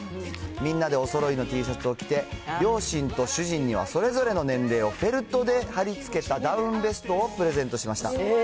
みんなでおそろいのＴシャツを着て、両親と主人にはそれぞれの年齢をフェルトで貼り付けたダウンベストをプレゼントしました。